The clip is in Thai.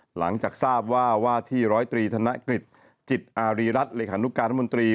หลังจากทราบว่าที่๑๐๓ธนกฤษจิตอารีรัติหลักฐานุคการมนตรี